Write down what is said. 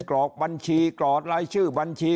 กรอกบัญชีกรอกรายชื่อบัญชี